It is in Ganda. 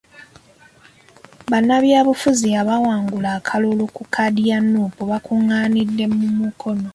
Bannabyabufuzi abaawangulira akalulu ku kkaadi ya Nuupu bakungaanidde mu Mukono .